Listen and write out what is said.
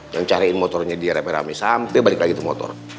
yang cariin motornya di repi repi sampe balik lagi ke motor